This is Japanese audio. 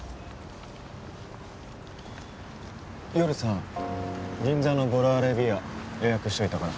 夜さ銀座のボラーレ・ヴィーア予約しておいたから。